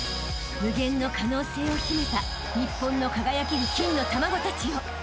［無限の可能性を秘めた日本の輝ける金の卵たちよ］